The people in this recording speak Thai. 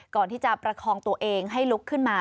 ก่อนที่จะประคองตัวเองให้ลุกขึ้นมา